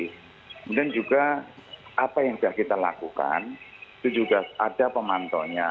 kemudian juga apa yang sudah kita lakukan itu juga ada pemantaunya